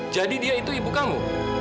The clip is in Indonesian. jadi dia itu ibu kamu